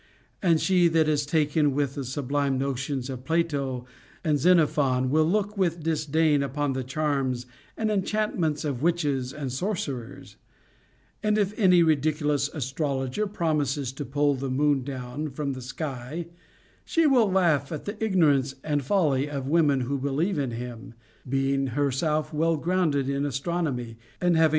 And she that is taken with the sublime notions of Plato and Xenophon will look with disdain upon the charms and enchantments of witches and sorcerers ; and if any ridiculous astrologer promises to pull the moon down from the sky, she will laugh at the ignorance and folly of the women who believe in him, being herself well grounded in astronomy, and having * See II. VI. 429 506 CONJUGAL PRECEPTS.